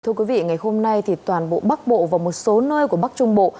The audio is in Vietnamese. thưa quý vị ngày hôm nay thì toàn bộ bắc bộ và một số nơi của bắc trung bộ